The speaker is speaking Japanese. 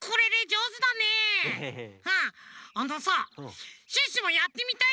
あのさシュッシュもやってみたいんだけど。